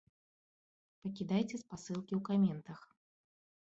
Пакідайце спасылкі ў каментах!